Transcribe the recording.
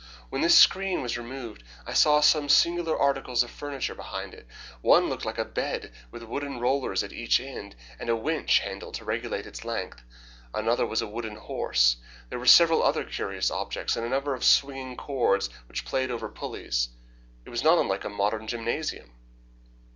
When this screen was removed I saw some singular articles of furniture behind it. One looked like a bed with wooden rollers at each end, and a winch handle to regulate its length. Another was a wooden horse. There were several other curious objects, and a number of swinging cords which played over pulleys. It was not unlike a modern gymnasium.